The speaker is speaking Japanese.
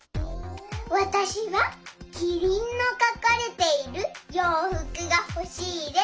わたしはキリンのかかれているようふくがほしいです。